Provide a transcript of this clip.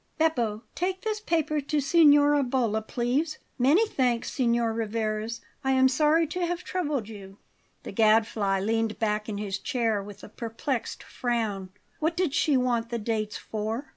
Beppo, take this paper to Signora Bolla, please. Many thanks, Signor Rivarez. I am sorry to have troubled you." The Gadfly leaned back in his chair with a perplexed frown. What did she want the dates for?